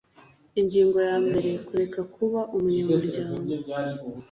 Ingingo ya mbere Kureka kuba umunyamuryango